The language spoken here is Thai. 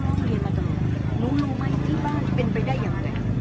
แล้วเล็งมาต่อหนูรู้ไม่ที่บ้านเป็นไปได้อย่างไร